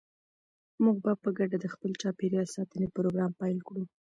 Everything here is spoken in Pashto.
موږ به په ګډه د خپل چاپیریال ساتنې پروګرام پیل کړو.